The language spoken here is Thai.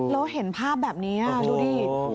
เราเห็นภาพแบบนี้อ่ะดูดิ